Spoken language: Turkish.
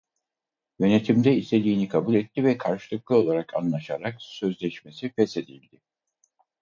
Yönetimde istediğini kabul etti ve karşılıklı olarak anlaşarak sözleşmesi feshedildi.